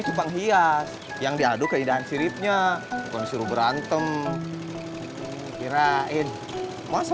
cupang hias yang diaduk keindahan siripnya konfirm berantem kirain masa